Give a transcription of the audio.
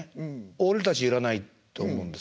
俺たち要らないって思うんです。